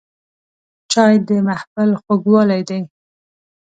چای د محفل خوږوالی دی